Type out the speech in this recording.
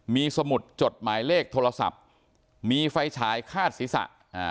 มีสมุดจดหมายเลขโทรศัพท์มีไฟฉายคาดศีรษะ